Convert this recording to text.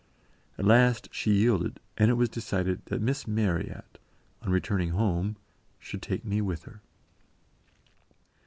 At last she yielded, and it was decided that Miss Marryat, on returning home, should take me with her.